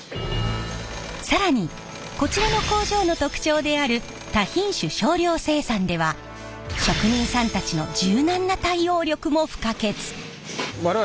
更にこちらの工場の特徴である多品種少量生産では職人さんたちの柔軟な対応力も不可欠。